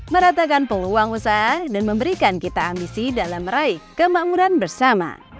meratakan peluang usaha dan memberikan kita ambisi dalam meraih kemakmuran bersama